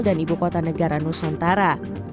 dan ibu kota negara nusantara